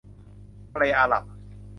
ทะเลอาหรับ